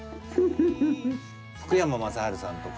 福山雅治さんとか。